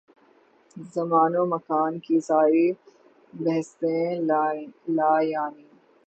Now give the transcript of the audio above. زمان و مکان کی ساری بحثیں لا یعنی۔